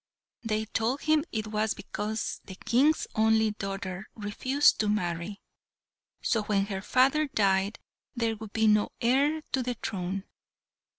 They told him it was because the King's only daughter refused to marry; so when her father died there would be no heir to the throne.